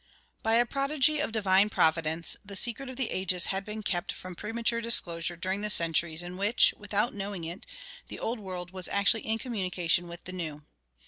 [2:1] By a prodigy of divine providence, the secret of the ages had been kept from premature disclosure during the centuries in which, without knowing it, the Old World was actually in communication with the New.